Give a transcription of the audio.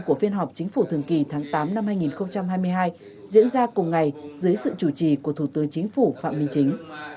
của phiên họp chính phủ thường kỳ tháng tám năm hai nghìn hai mươi hai diễn ra cùng ngày dưới sự chủ trì của thủ tướng chính phủ phạm minh chính